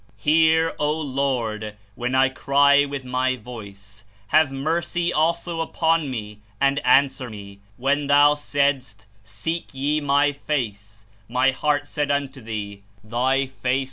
"Hear, O LORD, when I cry ziitJi my voice; have mercy also upon me, Knowledge and answer me. When thou saidsi, "Seek ye my face;" my heart said unto thee, "Thy face.